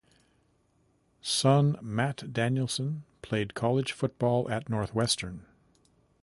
Son Matt Danielson played college football at Northwestern.